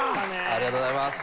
ありがとうございます。